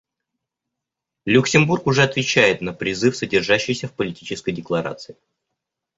Люксембург уже отвечает на призыв, содержащийся в Политической декларации.